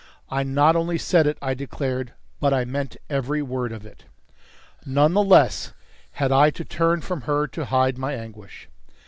"I not only said it," I declared, "but I meant every word of it." None the less had I to turn from her to hide my anguish.